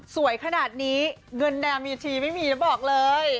สวยขนาดนี้เงินดามีทีไม่มีแล้วบอกเลย